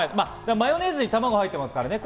マヨネーズに卵入ってますからね。